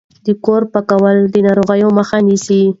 د کور پاکوالی د ناروغیو مخه نیسي۔